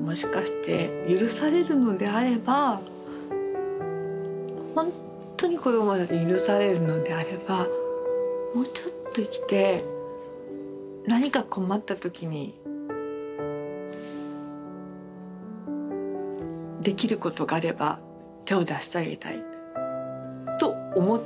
もしかして許されるのであればほんとに子どもたちに許されるのであればもうちょっと生きて何か困った時にできることがあれば手を出してあげたいと思ったんですね。